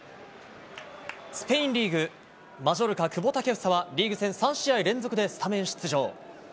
スペインリーグマジョルカ、久保建英はリーグ戦３試合連続でスタメン出場。